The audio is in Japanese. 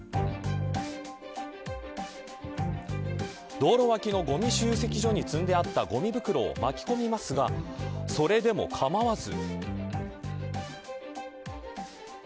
道路脇のごみ集積所に積んであったごみ袋を巻き込みますがそれでも構わず。